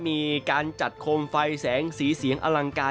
มีการจัดคมไฟแสงสีเสียงอลังการงานสร้างเลยทีเดียว